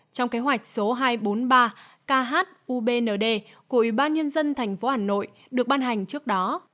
trong kế hoạch số hai trăm bốn mươi ba khubnd của ubnd tp hcm